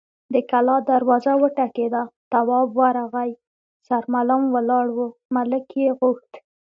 د کلا دروازه وټکېده، تواب ورغی، سرمعلم ولاړ و، ملک يې غوښت.